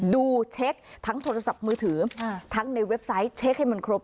ดูเช็คทั้งโทรศัพท์มือถือทั้งในเว็บไซต์เช็คให้มันครบ